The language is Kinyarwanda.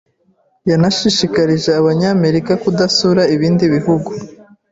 yanashishikarije Abanyamerika kudasura ibindi bihugu